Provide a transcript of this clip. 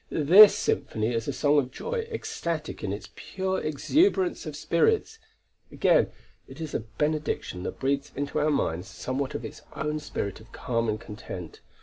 This symphony is a song of joy, ecstatic in its pure exuberance of spirits; again, it is a benediction that breathes into our minds somewhat of its own spirit of calm and content.